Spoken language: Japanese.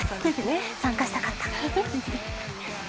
参加したかった。